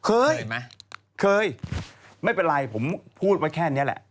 เคยเคยไม่เป็นไรผมพูดว่าแค่นี้แหละ